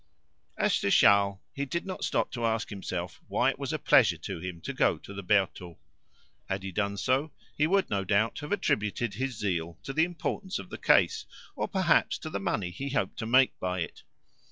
As to Charles, he did not stop to ask himself why it was a pleasure to him to go to the Bertaux. Had he done so, he would, no doubt, have attributed his zeal to the importance of the case, or perhaps to the money he hoped to make by it.